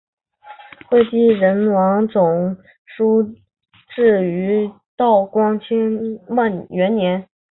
会稽人王仲舒撰于道光元年。